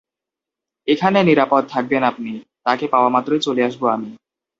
এখানে নিরাপদ থাকবেন আপনি, তাকে পাওয়া মাত্রই চলে আসবো আমি।